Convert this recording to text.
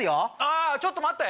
あちょっと待って！